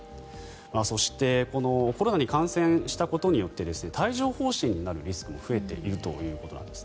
そしてコロナに感染したことによって帯状疱疹になるリスクも増えていると。